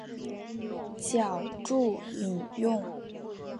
脚注引用